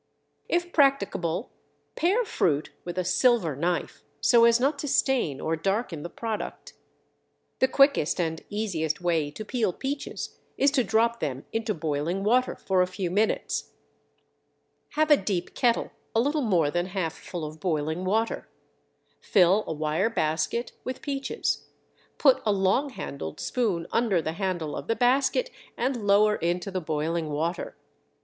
If practicable pare fruit with a silver knife, so as not to stain or darken the product. The quickest and easiest way to peel peaches is to drop them into boiling water for a few minutes. Have a deep kettle a little more than half full of boiling water; fill a wire basket with peaches; put a long handled spoon under the handle of the basket and lower into the boiling water.